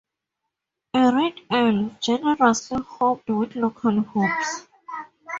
A red ale, generously hopped with local hops.